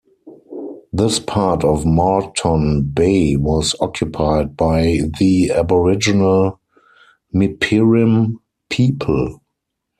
This part of Moreton Bay was occupied by the Aboriginal Mipirimm people.